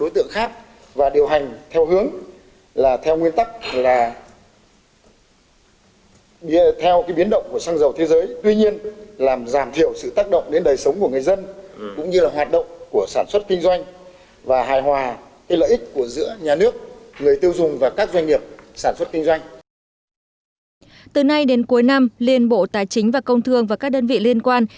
từ nay đến cuối năm liên bộ tài chính và công thương và các đơn vị liên quan